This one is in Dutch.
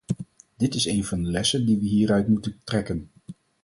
Dit is een van de lessen die we hieruit moeten trekken.